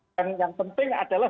dan yang penting adalah